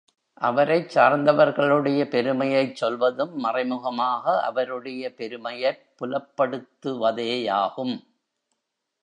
அவரைச் சார்ந்தவர்களுடைய பெருமையைச் சொல்வதும் மறைமுகமாக அவருடைய பெருமையைப் புலப்படுத்துவதேயாகும்.